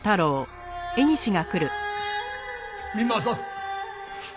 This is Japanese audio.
三馬さん。